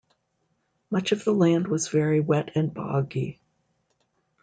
Much of the land was very wet and boggy.